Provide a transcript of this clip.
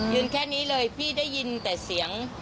แค่นี้เลยพี่ได้ยินแต่เสียง